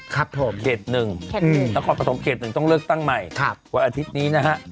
ครับผมเขตหนึ่งแล้วก็กระทบเขตหนึ่งต้องเลือกตั้งใหม่วันอาทิตย์นี้นะฮะ